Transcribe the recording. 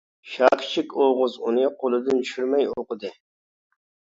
شاكىچىك ئوغۇز ئۇنى قولىدىن چۈشۈرمەي ئوقۇدى.